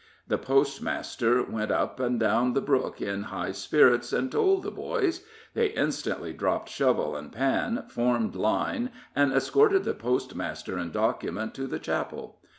The postmaster went up and down the brook in high spirits, and told the boys; they instantly dropped shovel and pan, formed line, and escorted the postmaster and document to the chapel.